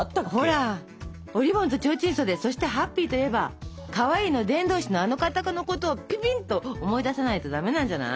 ほら「おりぼんとちょうちん袖」そして「ＨＡＰＰＹ」といえばかわいいの伝道師のあの方のことをピピンと思い出さないとダメなんじゃない？